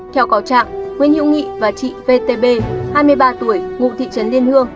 theo cò trạng nguyễn hiệu nghị và chị vtb hai mươi ba tuổi ngụ thị trấn liên hương